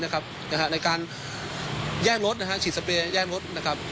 ในการแย่งรถชีพสแปรย์แย่งรถ